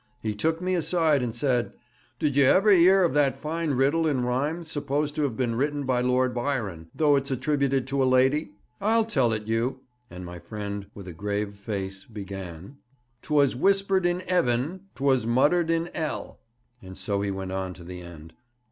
He took me aside, and said: "Did you ever 'ear of that fine riddle in rhyme supposed to have been written by Lord Byron, though it's attributed to a lady? I'll tell it you," and my friend, with a grave face, began: '"'Twas whispered in 'eaven; 'twas muttered in 'ell'" and so he went on to the end.